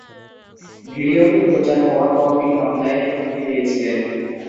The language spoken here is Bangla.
ভিডিওটি প্রচার হওয়ার পর তিনি অনলাইনে হুমকি পেয়েছিলেন।